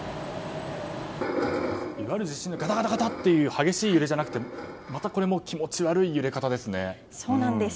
いわゆる地震のガタガタという激しい揺れではなくまたこれも気持ち悪い揺れ方ですね。